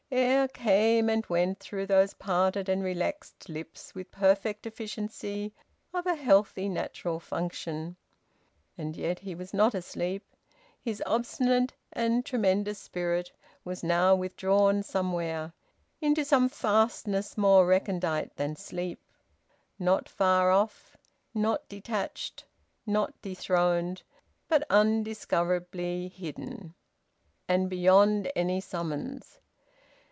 Air came and went through those parted and relaxed lips with the perfect efficiency of a healthy natural function. And yet he was not asleep. His obstinate and tremendous spirit was now withdrawn somewhere, into some fastness more recondite than sleep; not far off; not detached, not dethroned; but undiscoverably hidden, and beyond any summons.